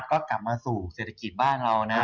ก็กลับมาสู่เศรษฐกิจบ้านเรานะ